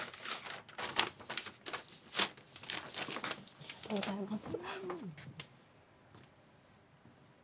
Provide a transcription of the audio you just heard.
ありがとうございます。